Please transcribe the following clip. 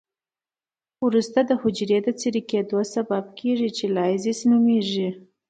وروسته د حجري د څیرې کیدو سبب کیږي چې لایزس نومېږي.